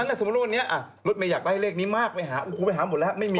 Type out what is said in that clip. นะสมมุติว่าเราก็อยากได้เลขนี้มากไปหาชั้นไปหาหมดแล้วไม่มี